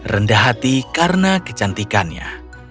rendah hati karena kecantikannya